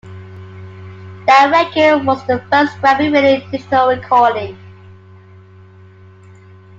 That record was the first Grammy-winning digital recording.